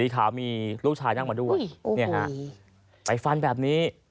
ไฟฟันแบบนี้